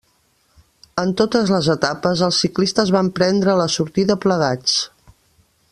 En totes les etapes els ciclistes van prendre la sortida plegats.